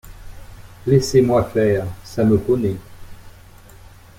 Laissez-moi faire, ça me connaît !